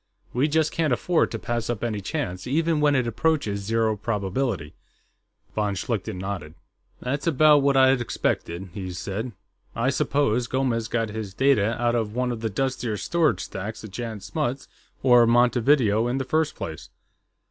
We just can't afford to pass up any chance, even when it approaches zero probability." Von Schlichten nodded. "That's about what I'd expected," he said. "I suppose Gomes got his data out of one of the dustier storage stacks at Jan Smuts or Montevideo, in the first place....